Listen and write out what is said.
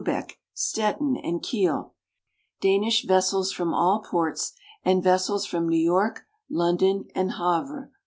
from Lubeck, Stettin, and Kiel ; Danish vessels from all ports, and vessels from New York, London, and Havre.